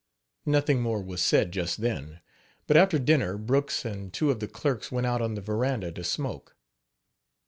" Nothing more was said just then, but after dinner Brooks and two of the clerks went out on the veranda to smoke.